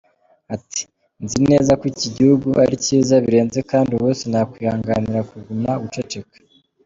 Ati “Nzi neza ko iki gihugu ari cyiza birenze kandi ubu sinakwihanganira kuguma guceceka.